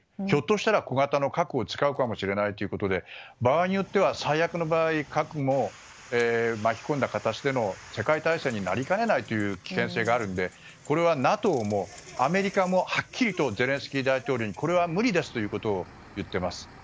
ひょっとしたら小型の核を使うかもしれないということで場合によっては最悪の場合核も巻き込んだ形での世界大戦になりかねないという危険性があるのでこれはＮＡＴＯもアメリカもはっきりとゼレンスキー大統領にこれは無理ですということを言っています。